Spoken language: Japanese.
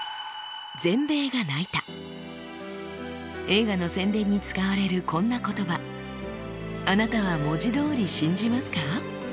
映画の宣伝に使われるこんな言葉あなたは文字どおり信じますか？